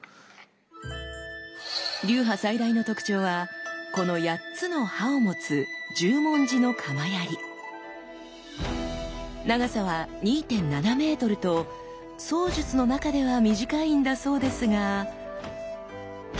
流派最大の特徴はこの８つの刃を持つ長さは２．７メートルと槍術の中では短いんだそうですが。